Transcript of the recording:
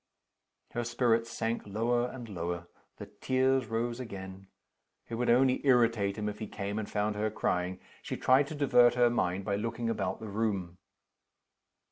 Her spirits sank lower and lower. The tears rose again. It would only irritate him if he came and found her crying. She tried to divert her mind by looking about the room.